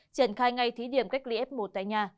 triển khai ngay thí điểm cách ly f một tại nhà